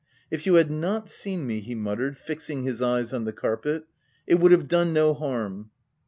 t€ If you had not seen me,'' he muttered, fixing his eyes on the carpet, " it would have done no harm."